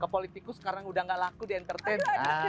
ke politikus sekarang udah gak laku di entertain